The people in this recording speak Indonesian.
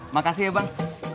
makasih ya bang